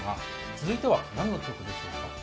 続いては何の曲でしょう？